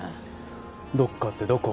どっかってどこ？